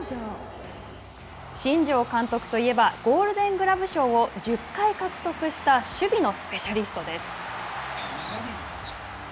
新庄監督といえばゴールデングラブ賞を１０回獲得した守備のスペシャリストです。